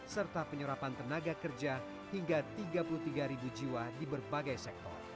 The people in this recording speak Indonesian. serta penyerapan tenaga kerja hingga tiga puluh tiga jiwa di berbagai sektor